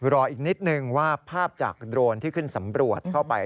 รออีกนิดนึงว่าภาพจากโดรนที่ขึ้นสำรวจเข้าไป